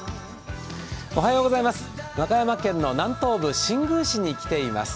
和歌山県の南東部新宮市に来ています